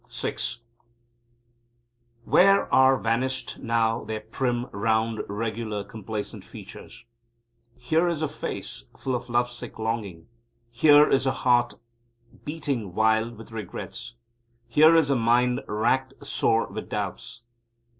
VI Where are vanished now their prim, round, regular, complacent features? Here is a face full of love sick longing. Here is a heart heating wild with regrets. Here is a mind racked sore with doubts.